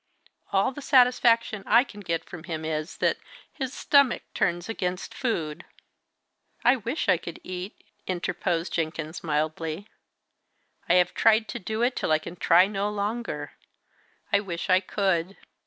All the satisfaction I can get from him is, that 'his stomach turns against food!'" "I wish I could eat," interposed Jenkins, mildly. "I have tried to do it till I can try no longer. I wish I could."